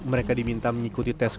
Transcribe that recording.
mereka diminta mengikuti tes